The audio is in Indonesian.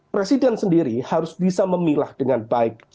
presiden sendiri harus bisa memilah dengan baik